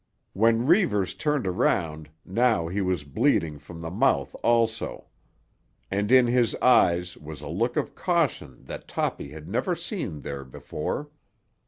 When Reivers turned around now he was bleeding from the mouth also, and in his eyes was a look of caution that Toppy had never seen there before.